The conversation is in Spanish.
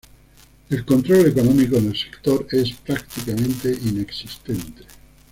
El control económico en el sector es prácticamente inexistente.